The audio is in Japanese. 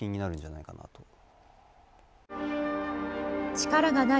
力がない